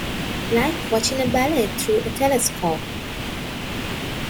Like watching a ballet through a telescope.